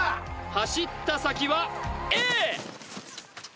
走った先はＡ！